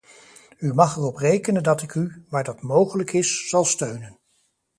U mag erop rekenen dat ik u, waar dat mogelijk is, zal steunen.